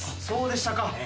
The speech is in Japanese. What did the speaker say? そうでしたか。